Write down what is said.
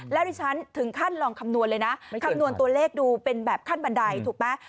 แล้วดิฉันถึงขั้นลองคำนวณเลยนะคำนวณตัวเลขดูเป็นแบบขั้นบันไดถูกไหม